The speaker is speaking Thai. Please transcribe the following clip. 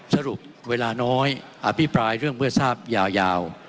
สรุปเวลาน้อยอภิปรายเรื่องเมื่อทราบยาว